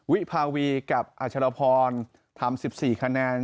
วิภาวีกับอัชรพรทำ๑๔คะแนน